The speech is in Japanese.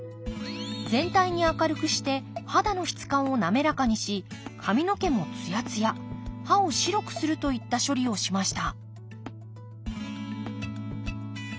全体に明るくして肌の質感を滑らかにし髪の毛もつやつや歯を白くするといった処理をしました